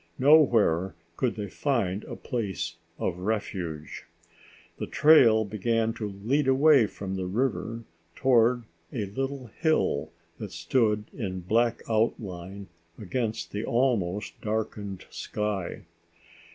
Nowhere could they find a place of refuge. The trail began to lead away from the river toward a little hill that stood in black outline against the almost darkened sky.